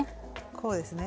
こうですね。